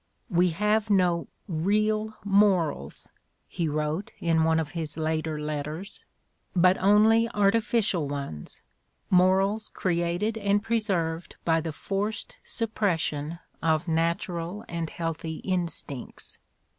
"We have no real morals," he wrote in one of his later letters, "but only artificial ones, morals created and preserved by the forced suppression of natural and healthy instincts."